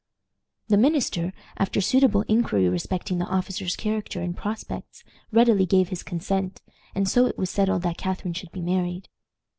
The minister, after suitable inquiry respecting the officer's character and prospects, readily gave his consent, and so it was settled that Catharine should be married.